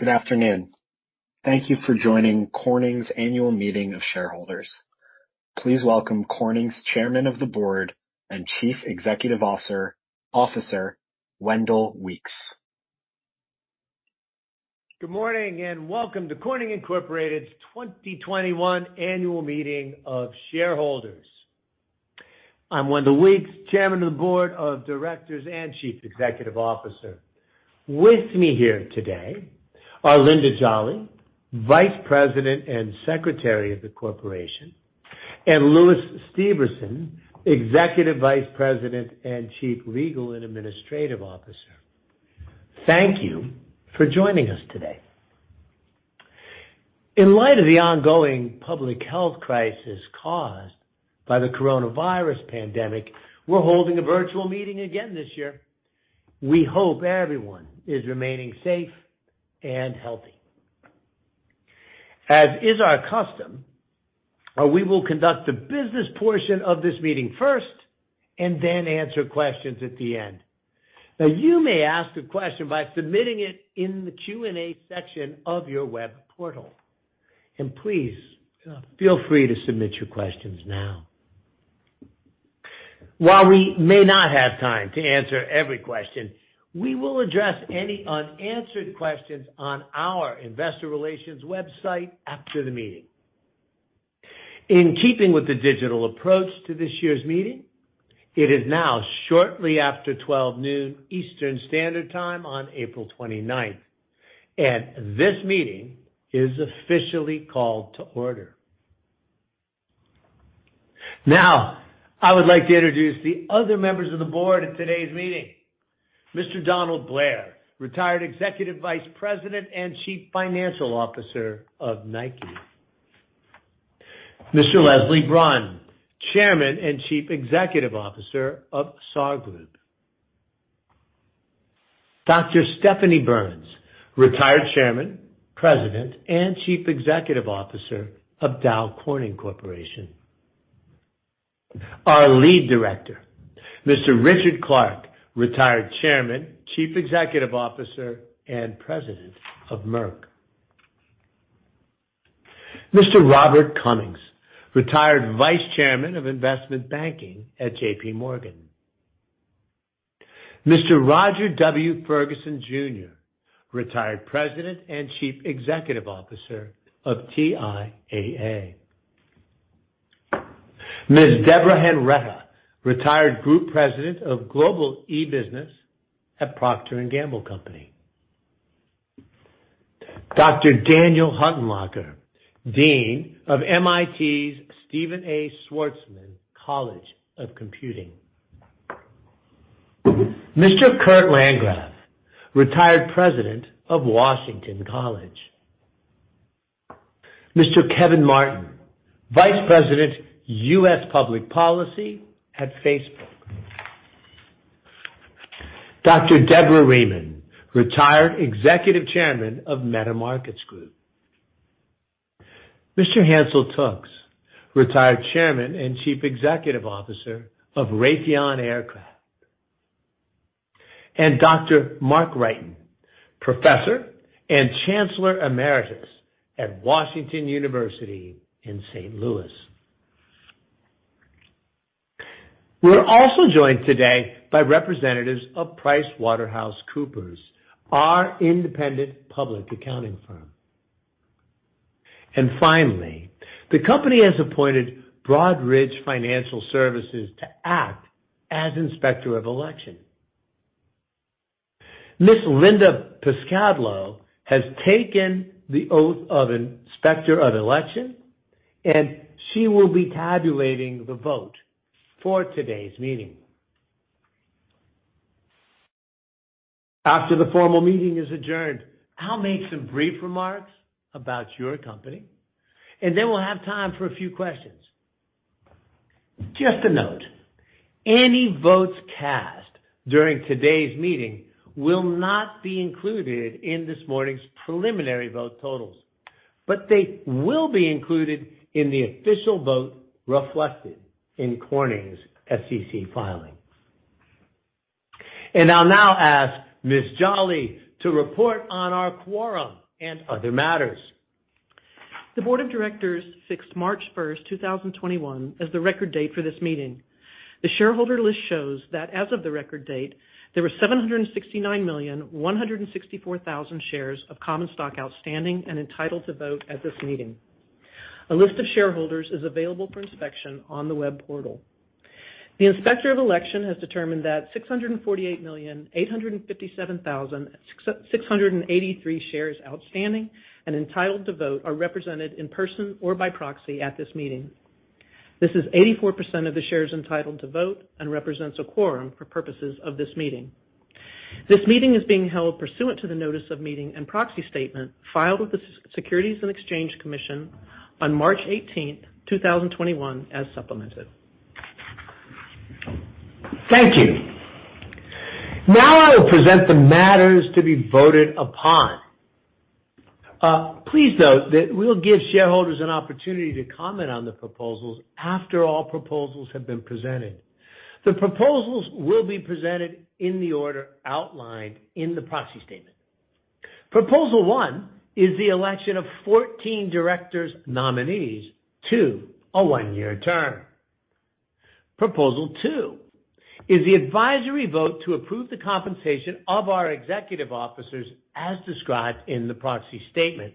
Good afternoon. Thank you for joining Corning's annual meeting of shareholders. Please welcome Corning's Chairman of the Board and Chief Executive Officer, Wendell Weeks. Good morning, and welcome to Corning Incorporated's 2021 annual meeting of shareholders. I'm Wendell Weeks, Chairman of the Board of Directors and Chief Executive Officer. With me here today are Linda Jolly, Vice President and Secretary of the Corporation, and Lewis Steverson, Executive Vice President and Chief Legal and Administrative Officer. Thank you for joining us today. In light of the ongoing public health crisis caused by the coronavirus pandemic, we're holding a virtual meeting again this year. We hope everyone is remaining safe and healthy. As is our custom, we will conduct the business portion of this meeting first and then answer questions at the end. Now, you may ask a question by submitting it in the Q&A section of your web portal. Please, feel free to submit your questions now. While we may not have time to answer every question, we will address any unanswered questions on our investor relations website after the meeting. In keeping with the digital approach to this year's meeting, it is now shortly after 12:00 noon Eastern Standard Time on April 29th, and this meeting is officially called to order. Now, I would like to introduce the other members of the board at today's meeting. Mr. Donald Blair, retired Executive Vice President and Chief Financial Officer of Nike. Mr. Leslie Brun, Chairman and Chief Executive Officer of Sarr Group. Dr. Stephanie Burns, retired Chairman, President, and Chief Executive Officer of Dow Corning Corporation. Our Lead Director, Mr. Richard Clark, retired Chairman, Chief Executive Officer, and President of Merck. Mr. Robert Cummings Jr., retired Vice Chairman of Investment Banking at JPMorgan. Mr. Roger W. Ferguson Jr., retired President and Chief Executive Officer of TIAA. Ms. Deborah Henretta, retired Group President of Global eBusiness at Procter & Gamble Company. Dr. Daniel Huttenlocher, Dean of MIT's Stephen A. Schwarzman College of Computing. Mr. Kurt Landgraf, retired President of Washington College. Mr. Kevin Martin, Vice President, U.S. Public Policy at Facebook. Dr. Deborah Rieman, retired Executive Chairman of Metamarkets Group. Mr. Hansel Tookes, retired Chairman and Chief Executive Officer of Raytheon Aircraft. Dr. Mark Wrighton, Professor and Chancellor Emeritus at Washington University in St. Louis. We are also joined today by representatives of PricewaterhouseCoopers, our independent public accounting firm. Finally, the company has appointed Broadridge Financial Solutions to act as Inspector of Election. Ms. Linda Pascadlo has taken the oath of Inspector of Election, and she will be tabulating the vote for today's meeting. After the formal meeting is adjourned, I'll make some brief remarks about your company, and then we'll have time for a few questions. Just a note, any votes cast during today's meeting will not be included in this morning's preliminary vote totals, but they will be included in the official vote reflected in Corning's SEC filings. I'll now ask Ms. Jolly to report on our quorum and other matters. The Board of Directors fixed March 1st, 2021, as the record date for this meeting. The shareholder list shows that as of the record date, there were 769,164,000 shares of common stock outstanding and entitled to vote at this meeting. A list of shareholders is available for inspection on the web portal. The Inspector of Election has determined that 648,857,683 shares outstanding and entitled to vote are represented in person or by proxy at this meeting. This is 84% of the shares entitled to vote and represents a quorum for purposes of this meeting. This meeting is being held pursuant to the notice of meeting and proxy statement filed with the Securities and Exchange Commission on March 18th, 2021, as supplemented. Thank you. Now I will present the matters to be voted upon. Please note that we'll give shareholders an opportunity to comment on the proposals after all proposals have been presented. The proposals will be presented in the order outlined in the proxy statement. Proposal one is the election of 14 directors' nominees to a one-year term. Proposal two is the advisory vote to approve the compensation of our executive officers as described in the proxy statement.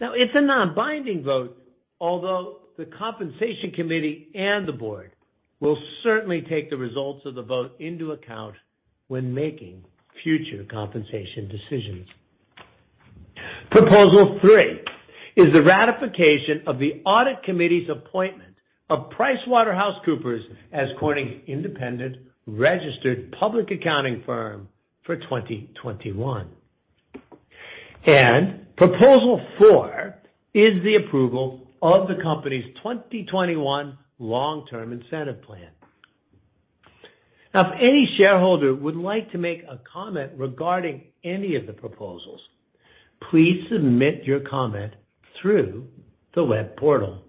Now it's a non-binding vote, although the compensation committee and the board will certainly take the results of the vote into account when making future compensation decisions. Proposal three is the ratification of the Audit Committee's appointment of PricewaterhouseCoopers as Corning independent registered public accounting firm for 2021. Proposal four is the approval of the company's 2021 Long-Term Incentive Plan. Now, if any shareholder would like to make a comment regarding any of the proposals, please submit your comment through the web portal.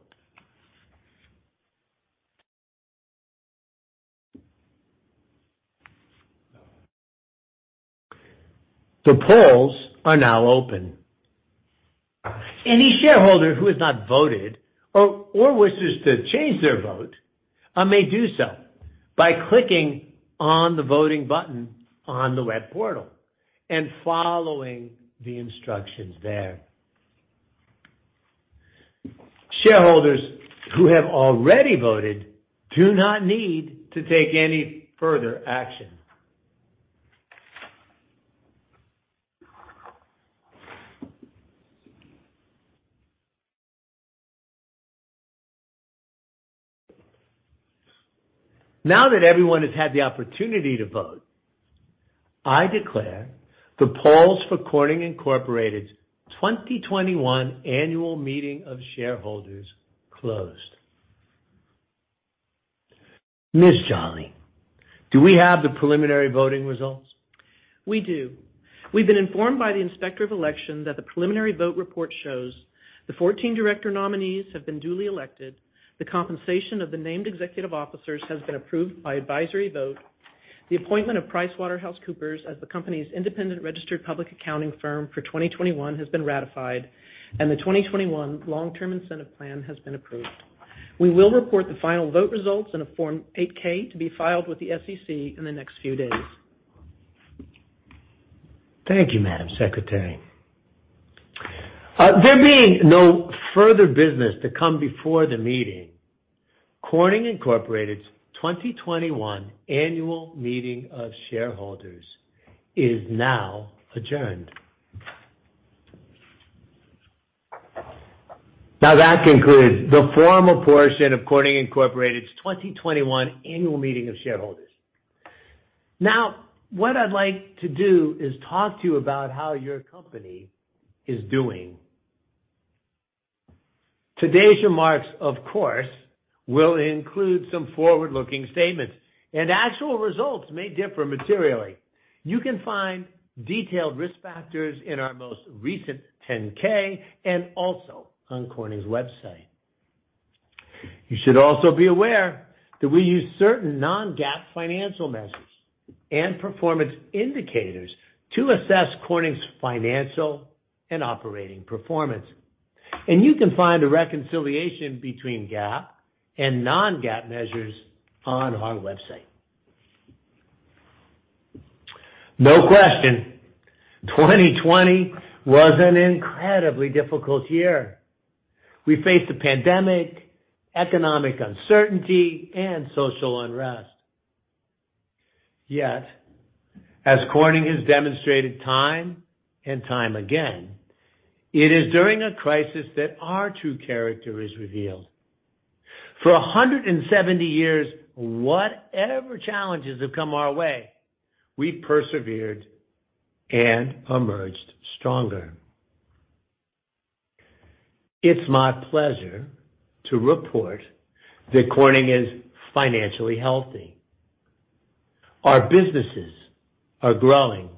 The polls are now open. Any shareholder who has not voted or wishes to change their vote may do so by clicking on the voting button on the web portal and following the instructions there. Shareholders who have already voted do not need to take any further action. Now that everyone has had the opportunity to vote, I declare the polls for Corning Incorporated's 2021 annual meeting of shareholders closed. Ms. Jolly, do we have the preliminary voting results? We do. We've been informed by the Inspector of Election that the preliminary vote report shows the 14 director nominees have been duly elected, the compensation of the named executive officers has been approved by advisory vote, the appointment of PricewaterhouseCoopers as the company's independent registered public accounting firm for 2021 has been ratified, and the 2021 long-term incentive plan has been approved. We will report the final vote results in a Form 8-K to be filed with the SEC in the next few days. Thank you, Madam Secretary. There being no further business to come before the meeting, Corning Incorporated's 2021 annual meeting of shareholders is now adjourned. That concludes the formal portion of Corning Incorporated's 2021 annual meeting of shareholders. What I'd like to do is talk to you about how your company is doing. Today's remarks, of course, will include some forward-looking statements, and actual results may differ materially. You can find detailed risk factors in our most recent 10-K and also on Corning's website. You should also be aware that we use certain non-GAAP financial measures and performance indicators to assess Corning's financial and operating performance. You can find a reconciliation between GAAP and non-GAAP measures on our website. No question, 2020 was an incredibly difficult year. We faced a pandemic, economic uncertainty, and social unrest. Yet, as Corning has demonstrated time and time again, it is during a crisis that our true character is revealed. For 170 years, whatever challenges have come our way, we've persevered and emerged stronger. It's my pleasure to report that Corning is financially healthy. Our businesses are growing,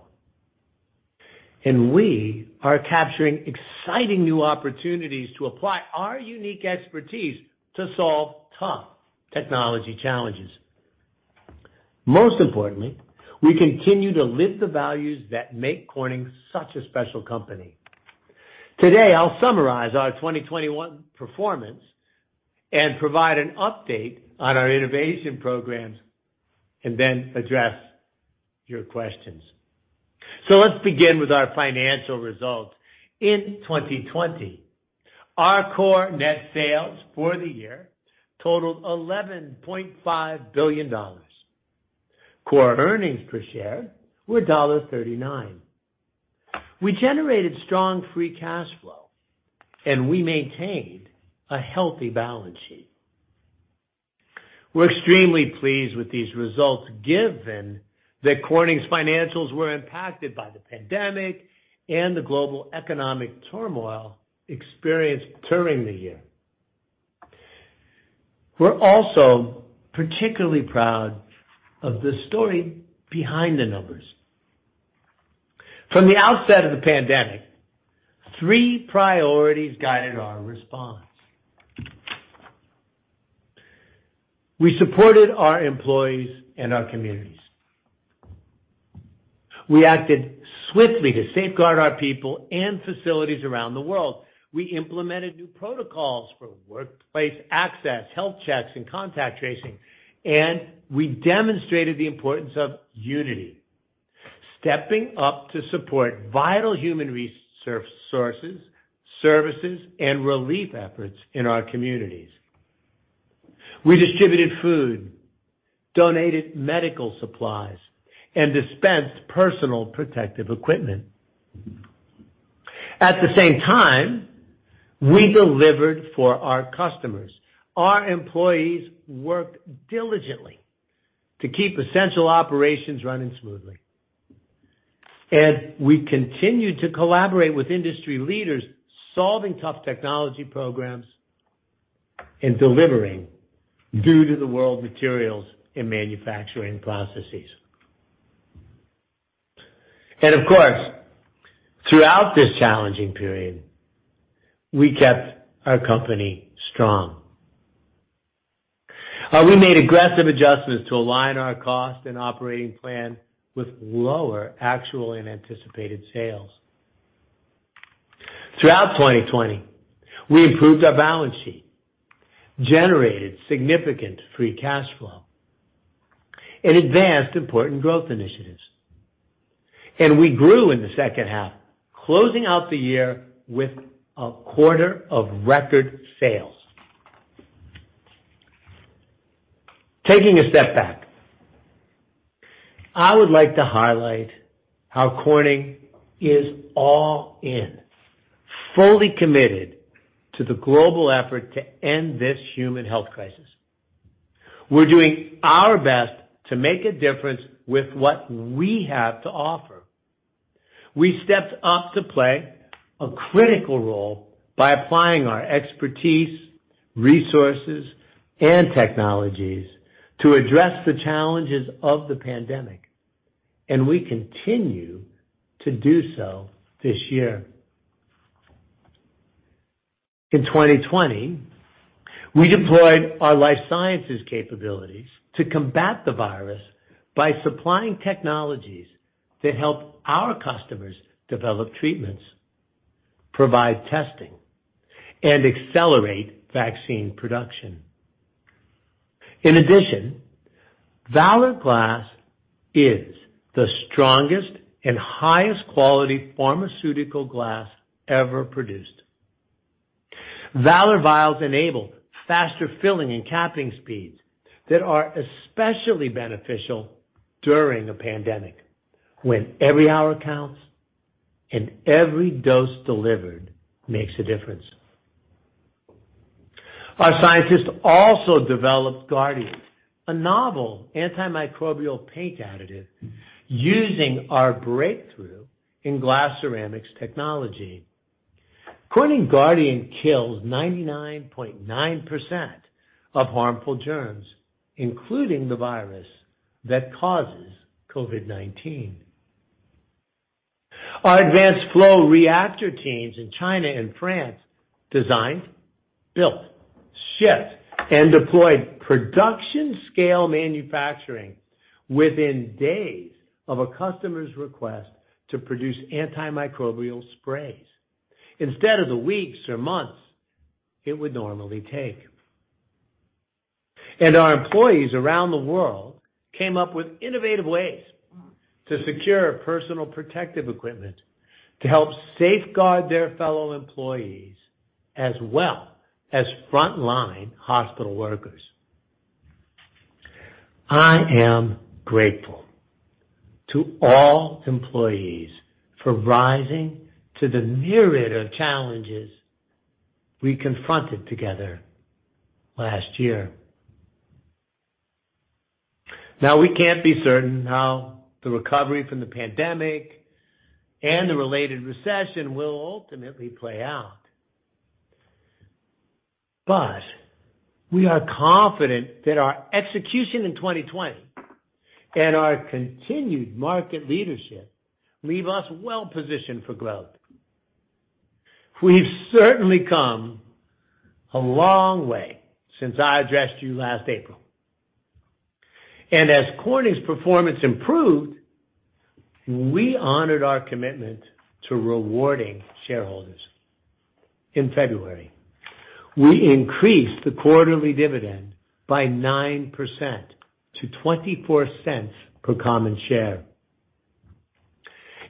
and we are capturing exciting new opportunities to apply our unique expertise to solve tough technology challenges. Most importantly, we continue to live the values that make Corning such a special company. Today, I'll summarize our 2021 performance and provide an update on our innovation programs, and then address your questions. Let's begin with our financial results in 2020. Our core net sales for the year totaled $11.5 billion. Core earnings per share were $1.39. We generated strong free cash flow, and we maintained a healthy balance sheet. We're extremely pleased with these results, given that Corning's financials were impacted by the pandemic and the global economic turmoil experienced during the year. We're also particularly proud of the story behind the numbers. From the outset of the pandemic, three priorities guided our response. We supported our employees and our communities. We acted swiftly to safeguard our people and facilities around the world. We implemented new protocols for workplace access, health checks, and contact tracing. We demonstrated the importance of unity, stepping up to support vital human resources, services, and relief efforts in our communities. We distributed food, donated medical supplies, and dispensed personal protective equipment. At the same time, we delivered for our customers. Our employees worked diligently to keep essential operations running smoothly. We continued to collaborate with industry leaders, solving tough technology programs and delivering new-to-the-world materials and manufacturing processes. Of course, throughout this challenging period, we kept our company strong. We made aggressive adjustments to align our cost and operating plan with lower actual and anticipated sales. Throughout 2020, we improved our balance sheet, generated significant free cash flow, and advanced important growth initiatives. We grew in the second half, closing out the year with a quarter of record sales. Taking a step back, I would like to highlight how Corning is all in, fully committed to the global effort to end this human health crisis. We're doing our best to make a difference with what we have to offer. We stepped up to play a critical role by applying our expertise, resources, and technologies to address the challenges of the pandemic, and we continue to do so this year. In 2020, we deployed our life sciences capabilities to combat the virus by supplying technologies that help our customers develop treatments, provide testing, and accelerate vaccine production. In addition, Valor Glass is the strongest and highest quality pharmaceutical glass ever produced. Valor vials enable faster filling and capping speeds that are especially beneficial during a pandemic when every hour counts and every dose delivered makes a difference. Our scientists also developed Guardiant, a novel antimicrobial paint additive using our breakthrough in glass ceramics technology. Corning Guardiant kills 99.9% of harmful germs, including the virus that causes COVID-19. Our advanced flow reactor teams in China and France designed, built, shipped, and deployed production-scale manufacturing within days of a customer's request to produce antimicrobial sprays, instead of the weeks or months it would normally take. Our employees around the world came up with innovative ways to secure personal protective equipment to help safeguard their fellow employees as well as frontline hospital workers. I am grateful to all employees for rising to the myriad of challenges we confronted together last year. Now, we can't be certain how the recovery from the pandemic and the related recession will ultimately play out, but we are confident that our execution in 2020 and our continued market leadership leave us well-positioned for growth. We've certainly come a long way since I addressed you last April. As Corning's performance improved, we honored our commitment to rewarding shareholders. In February, we increased the quarterly dividend by 9% to $0.24 per common share.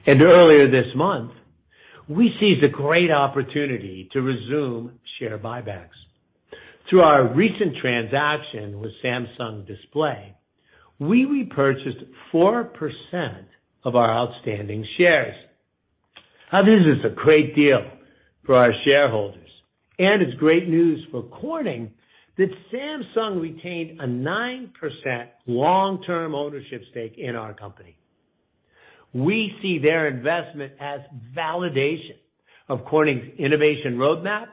Earlier this month, we seized a great opportunity to resume share buybacks. Through our recent transaction with Samsung Display, we repurchased 4% of our outstanding shares. Now, this is a great deal for our shareholders, and it's great news for Corning that Samsung retained a 9% long-term ownership stake in our company. We see their investment as validation of Corning's innovation roadmap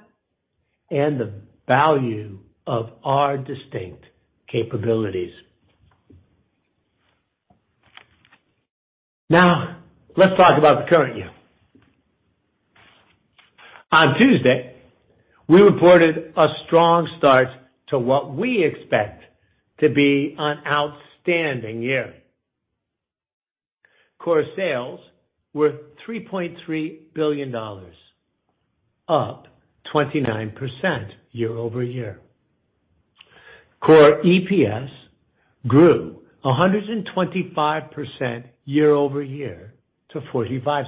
and the value of our distinct capabilities. Now, let's talk about the current year. On Tuesday, we reported a strong start to what we expect to be an outstanding year. Core sales were $3.3 billion, up 29% year-over-year. Core EPS grew 125% year-over-year to $0.45.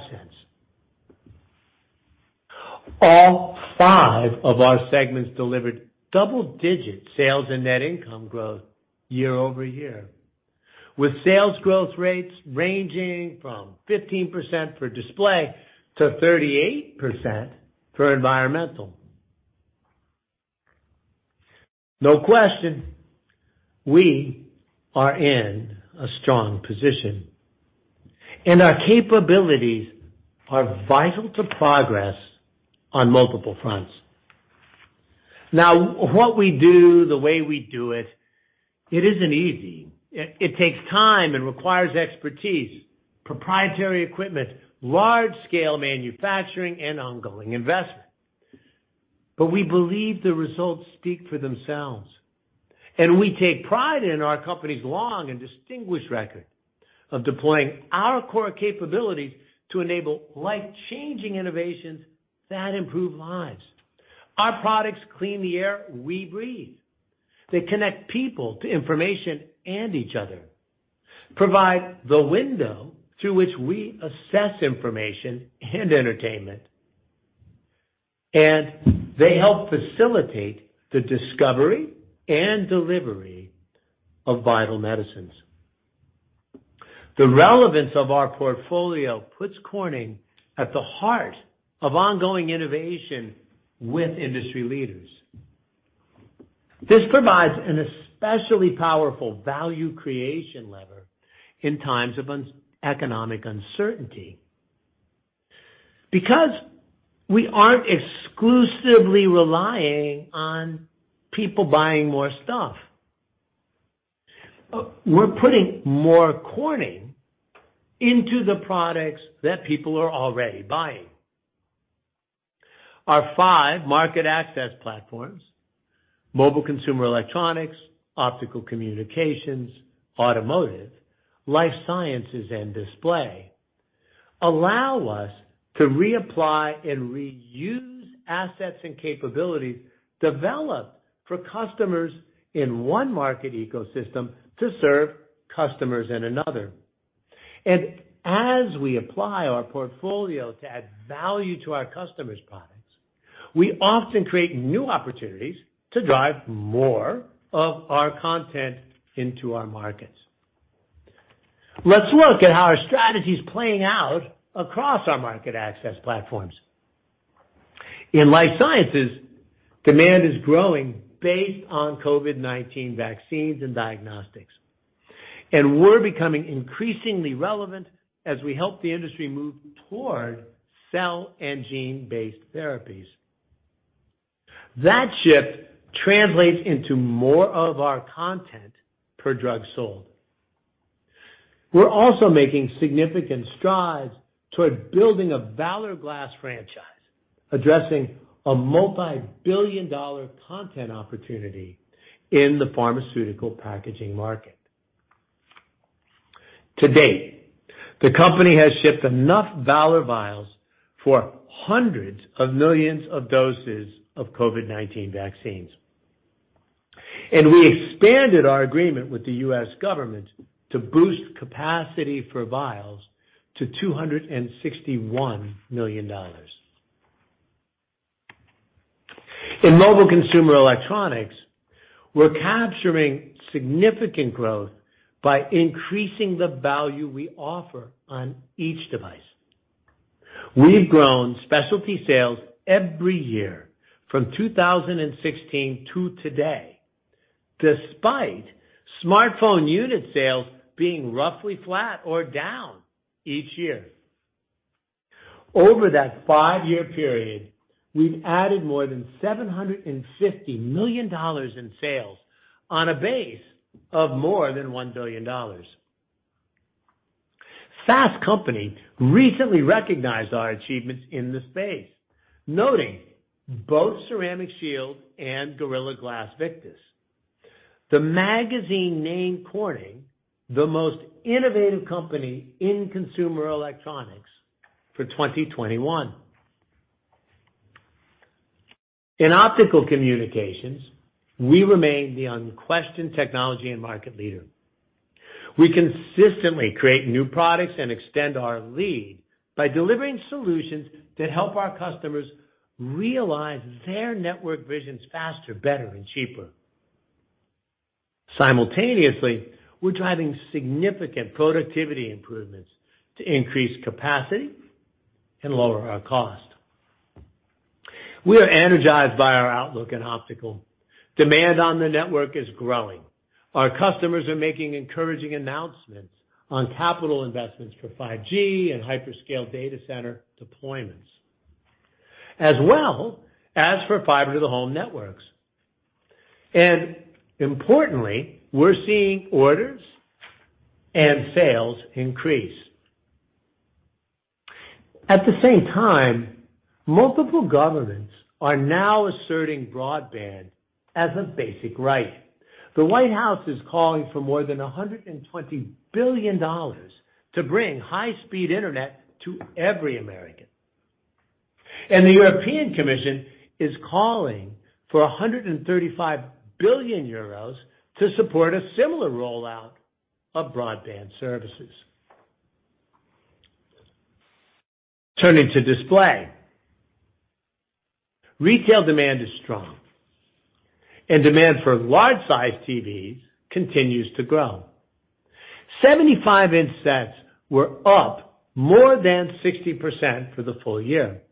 All five of our segments delivered double-digit sales and net income growth year-over-year, with sales growth rates ranging from 15% for Display to 38% for Environmental. No question, we are in a strong position, and our capabilities are vital to progress on multiple fronts. Now, what we do, the way we do it isn't easy. It takes time and requires expertise, proprietary equipment, large-scale manufacturing, and ongoing investment. We believe the results speak for themselves, and we take pride in our company's long and distinguished record of deploying our core capabilities to enable life-changing innovations that improve lives. Our products clean the air we breathe. They connect people to information and each other, provide the window through which we assess information and entertainment, and they help facilitate the discovery and delivery of vital medicines. The relevance of our portfolio puts Corning at the heart of ongoing innovation with industry leaders. This provides an especially powerful value creation lever in times of economic uncertainty. We aren't exclusively relying on people buying more stuff. We're putting more Corning into the products that people are already buying. Our five market access platforms, mobile consumer electronics, optical communications, automotive, life sciences, and display, allow us to reapply and reuse assets and capabilities developed for customers in one market ecosystem to serve customers in another. As we apply our portfolio to add value to our customers' products, we often create new opportunities to drive more of our content into our markets. Let's look at how our strategy's playing out across our market access platforms. In life sciences, demand is growing based on COVID-19 vaccines and diagnostics, and we're becoming increasingly relevant as we help the industry move toward cell and gene-based therapies. That shift translates into more of our content per drug sold. We're also making significant strides toward building a Valor Glass franchise, addressing a multi-billion dollar content opportunity in the pharmaceutical packaging market. To date, the company has shipped enough Valor vials for hundreds of millions of doses of COVID-19 vaccines. We expanded our agreement with the U.S. government to boost capacity for vials to $261 million. In mobile consumer electronics, we're capturing significant growth by increasing the value we offer on each device. We've grown specialty sales every year from 2016 to today, despite smartphone unit sales being roughly flat or down each year. Over that five-year period, we've added more than $750 million in sales on a base of more than $1 billion. Fast Company recently recognized our achievements in the space, noting both Ceramic Shield and Gorilla Glass Victus. The magazine named Corning the most innovative company in consumer electronics for 2021. In Optical Communications, we remain the unquestioned technology and market leader. We consistently create new products and extend our lead by delivering solutions that help our customers realize their network visions faster, better, and cheaper. Simultaneously, we're driving significant productivity improvements to increase capacity and lower our cost. We are energized by our outlook in Optical. Demand on the network is growing. Our customers are making encouraging announcements on capital investments for 5G and hyperscale data center deployments, as well as for fiber-to-the-home networks. Importantly, we're seeing orders and sales increase. At the same time, multiple governments are now asserting broadband as a basic right. The White House is calling for more than $120 billion to bring high-speed internet to every American. The European Commission is calling for 135 billion euros to support a similar rollout of broadband services. Turning to Display. Retail demand is strong, and demand for large-sized TVs continues to grow. 75-inch sets were up more than 60% for the full year.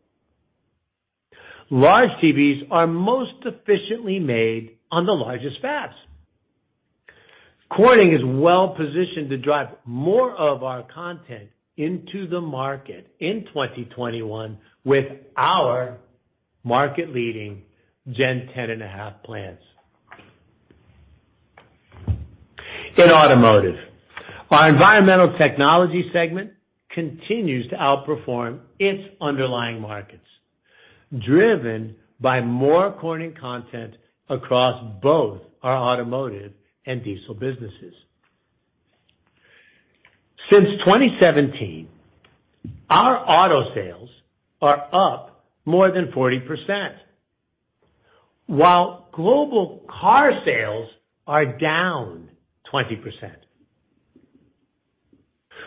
Large TVs are most efficiently made on the largest FABs. Corning is well-positioned to drive more of our content into the market in 2021 with our market-leading Gen 10.5 plants. In Automotive, our Environmental Technologies segment continues to outperform its underlying markets, driven by more Corning content across both our automotive and diesel businesses. Since 2017, our auto sales are up more than 40%, while global car sales are down 20%.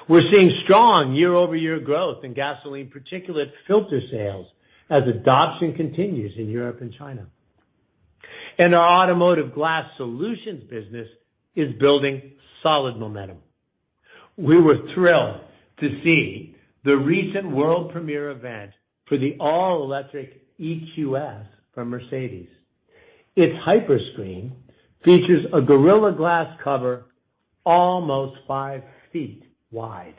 We're seeing strong year-over-year growth in gasoline particulate filter sales as adoption continues in Europe and China. Our Automotive Glass Solutions business is building solid momentum. We were thrilled to see the recent world premiere event for the all-electric EQS from Mercedes. Its Hyperscreen features a Gorilla Glass cover almost five feet wide.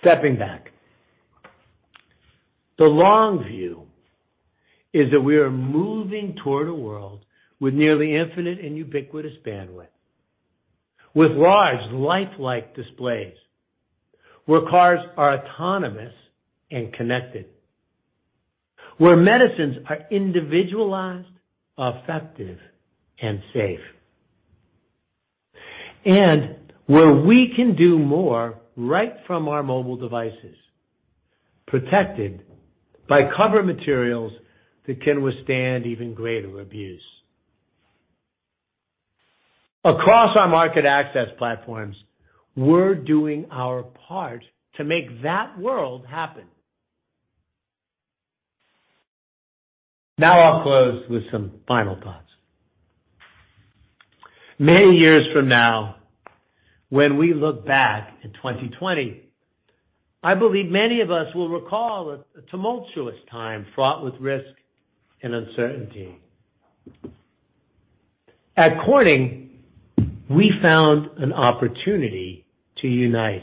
Stepping back, the long view is that we are moving toward a world with nearly infinite and ubiquitous bandwidth, with large lifelike displays, where cars are autonomous and connected, where medicines are individualized, effective, and safe, and where we can do more right from our mobile devices, protected by cover materials that can withstand even greater abuse. Across our market access platforms, we're doing our part to make that world happen. Now I'll close with some final thoughts. Many years from now, when we look back at 2020, I believe many of us will recall a tumultuous time fraught with risk and uncertainty. At Corning, we found an opportunity to unite.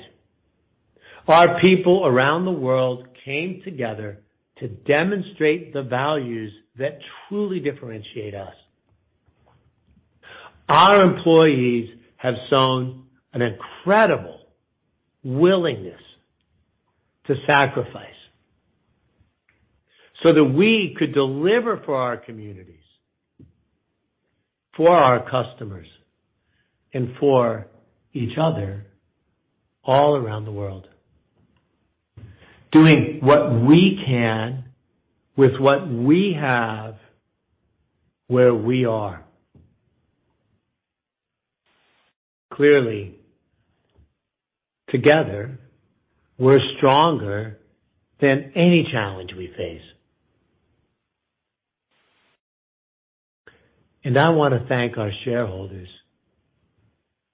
Our people around the world came together to demonstrate the values that truly differentiate us. Our employees have shown an incredible willingness to sacrifice so that we could deliver for our communities, for our customers, and for each other all around the world, doing what we can with what we have, where we are. Together, we're stronger than any challenge we face. I want to thank our shareholders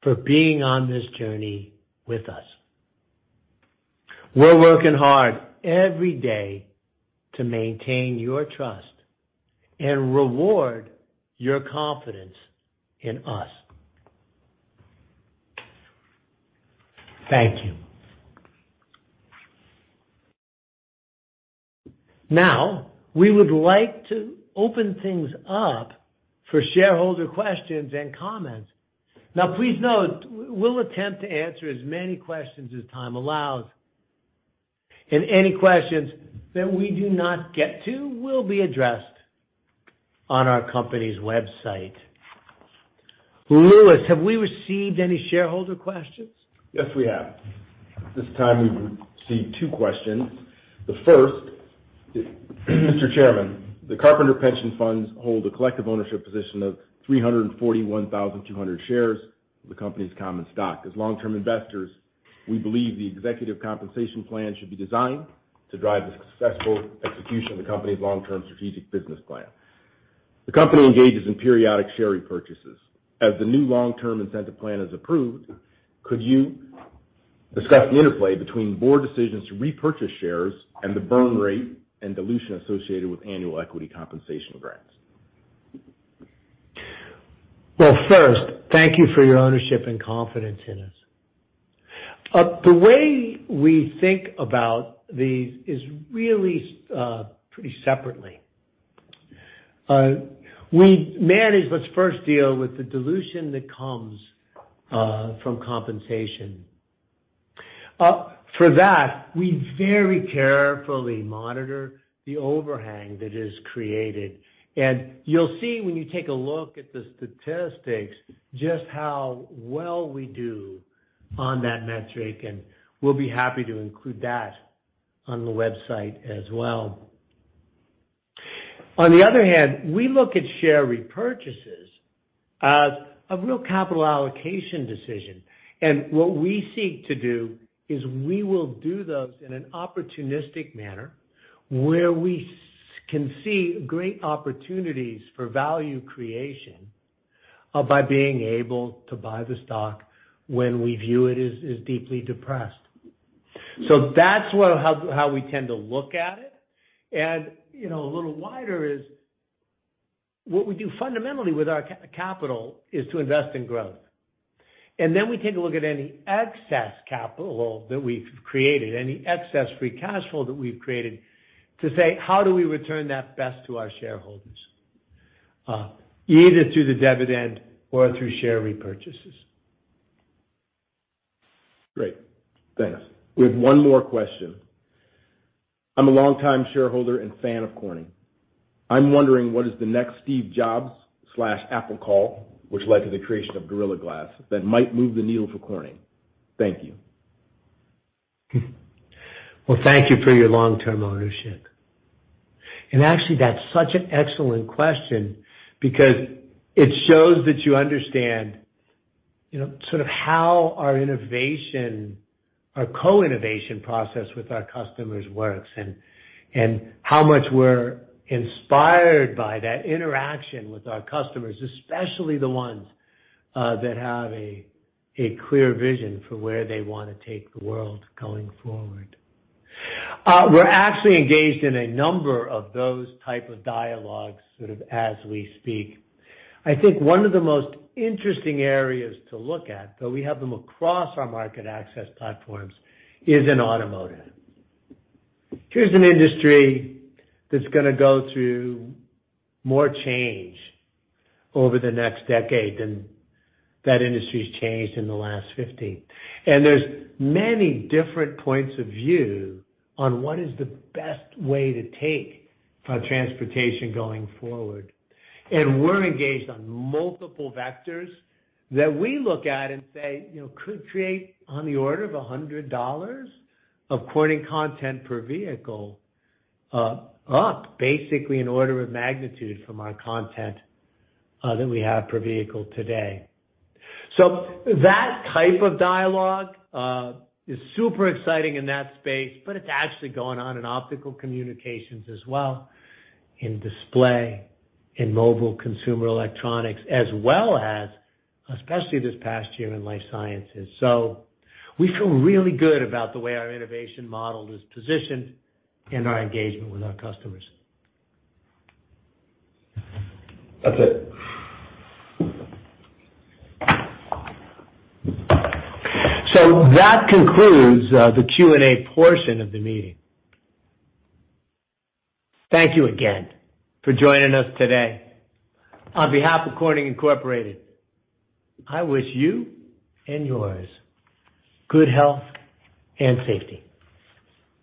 for being on this journey with us. We're working hard every day to maintain your trust and reward your confidence in us. Thank you. We would like to open things up for shareholder questions and comments. Please note, we'll attempt to answer as many questions as time allows, and any questions that we do not get to will be addressed on our company's website. Lewis, have we received any shareholder questions? Yes, we have. At this time, we've received two questions. The first is, "Mr. Chairman, the Carpenters Pension Fund hold a collective ownership position of 341,200 shares of the company's common stock. As long-term investors, we believe the executive compensation plan should be designed to drive the successful execution of the company's long-term strategic business plan. The company engages in periodic share repurchases. As the new long-term incentive plan is approved, could you discuss the interplay between board decisions to repurchase shares and the burn rate and dilution associated with annual equity compensation grants? Well, first, thank you for your ownership and confidence in us. The way we think about these is really pretty separately. Let's first deal with the dilution that comes from compensation. For that, we very carefully monitor the overhang that is created, and you'll see when you take a look at the statistics, just how well we do on that metric, and we'll be happy to include that on the website as well. On the other hand, we look at share repurchases as a real capital allocation decision. What we seek to do is we will do those in an opportunistic manner where we can see great opportunities for value creation by being able to buy the stock when we view it as deeply depressed. That's how we tend to look at it. A little wider is what we do fundamentally with our capital is to invest in growth. We take a look at any excess capital that we've created, any excess free cash flow that we've created to say, how do we return that best to our shareholders, either through the dividend or through share repurchases. Great. Thanks. We have one more question. I'm a longtime shareholder and fan of Corning. I'm wondering what is the next Steve Jobs/Apple call, which led to the creation of Gorilla Glass that might move the needle for Corning. Thank you. Well, thank you for your long-term ownership. Actually that's such an excellent question because it shows that you understand sort of how our co-innovation process with our customers works, and how much we're inspired by that interaction with our customers, especially the ones that have a clear vision for where they want to take the world going forward. We're actually engaged in a number of those type of dialogues sort of as we speak. I think one of the most interesting areas to look at, though we have them across our market access platforms, is in automotive. Here's an industry that's going to go through more change over the next decade than that industry's changed in the last 50. There's many different points of view on what is the best way to take transportation going forward. We're engaged on multiple vectors that we look at and say could create on the order of $100 of Corning content per vehicle up, basically an order of magnitude from our content that we have per vehicle today. That type of dialogue is super exciting in that space, but it's actually gone on in Optical Communications as well, in Display, in mobile consumer electronics, as well as, especially this past year in life sciences. We feel really good about the way our innovation model is positioned and our engagement with our customers. That's it. That concludes the Q&A portion of the meeting. Thank you again for joining us today. On behalf of Corning Incorporated, I wish you and yours good health and safety.